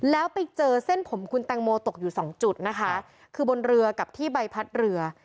แล้วไปเจอเส้นผมคุณแตงโมตกอยู่สองจุดนะคะคือบนเรือกับที่ใบพัดเรือ